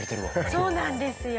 そうなんですよ。